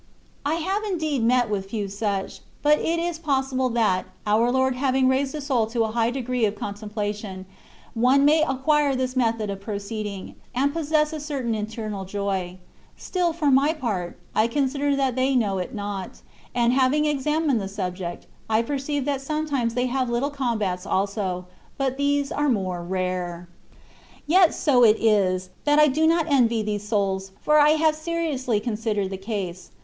I have indeed met with few such ; but it is possible that, our Lord having raised a soul to a high degree of contemplation, one may acquire this method of proceeding, and possess a certain internal joy. Still, for my part, I consider that they know it not: and having examined the subject, I perceive that sometimes they have their little combats also, but these are more rare. 236 CONCEPTIONS OP DIVINE LOVE. Yet 80 it is, that I do not envy these souls, for I have seriously considered the case.